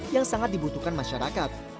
yang sangat dibutuhkan masyarakat